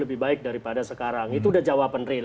lebih baik daripada sekarang itu udah jawaban real